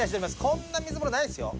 こんな水風呂ないですよ。